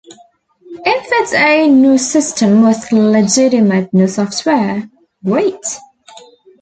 If it's a new system with legitimate new software, great.